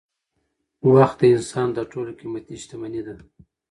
وخت د انسان تر ټولو قيمتي شتمني ده.